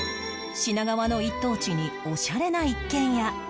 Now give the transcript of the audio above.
品川の一等地にオシャレな一軒家